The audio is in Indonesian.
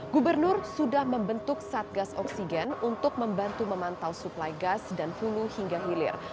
gubernur sudah membentuk satgas oksigen untuk membantu memantau suplai gas dan hulu hingga hilir